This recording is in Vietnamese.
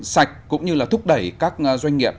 sạch cũng như là thúc đẩy các doanh nghiệp